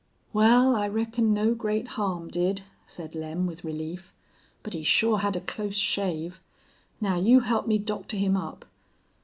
"Wal, I reckon no great harm did," said Lem, with relief. "But he shore hed a close shave. Now you help me doctor him up."